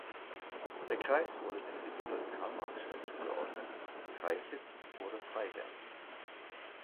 Der Kreis wurde dem Bezirk Karl-Marx-Stadt zugeordnet, Kreissitz wurde Freiberg.